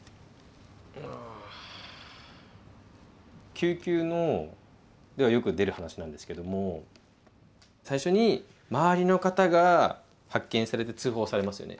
救急のではよく出る話なんですけども最初に周りの方が発見されて通報されますよね。